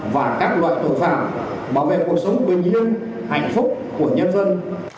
và các loại tội phạm bảo vệ cuộc sống bình yên hạnh phúc của nhân dân